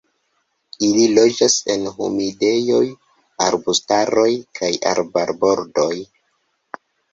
Ili loĝas en humidejoj, arbustaroj kaj arbarbordoj.